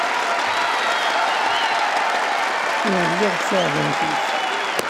Ur lliɣ d taɛdawt-ik.